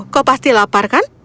kau pasti lapar kan